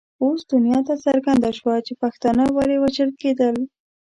اوس دنیا ته څرګنده شوه چې پښتانه ولې وژل کېدل.